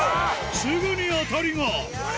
すぐに当たりが！